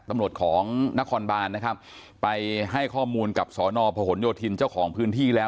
ตำรวจของนครบานนะครับไปให้ข้อมูลกับสอนอพหนโยธินเจ้าของพื้นที่แล้ว